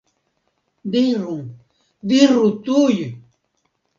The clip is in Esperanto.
Diru, diru tuj!